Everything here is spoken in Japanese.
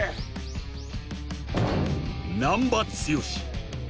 ［難破剛］